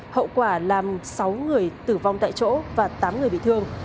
hậu quả làm sáu người tử vong tại chỗ và tám người bị thương